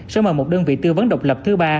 sẽ mời một đơn vị tư vấn độc lập thứ ba